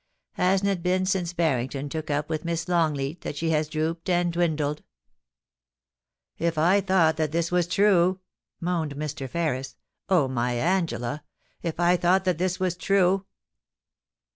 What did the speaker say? Hasn't it been since Barrington took up with Miss Longleat that she has drooped and dwindled ?* *If I thought that this was true!' moaned Mr. Ferris* * Oh, my Angela ! if I thought that this was true